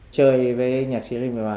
chơi với nhạc sĩ lê việt hòa